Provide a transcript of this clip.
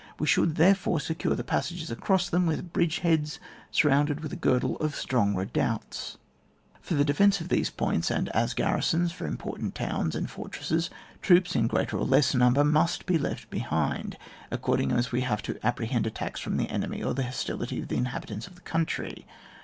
We should therefore secure the passages across them with bridge heads, surrounded with a girdle of strong re doubts. For the defence of these points, and as garrisons for important towns and for tresses, troops, in greater or less number, must be left behind, according as we have to apprehend attacks from the enemy or the hostility of the inhabitants of the country.